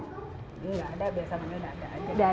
iya gak ada biasanya dada aja